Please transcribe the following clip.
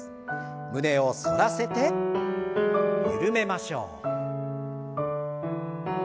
胸を反らせて緩めましょう。